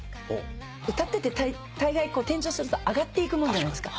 歌っててたいがい転調すると上がっていくもんじゃないですか。